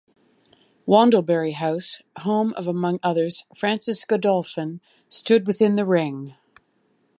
Wandlebury House, home of among others, Francis Godolphin, stood within the Ring.